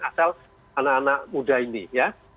asal anak anak muda ini ya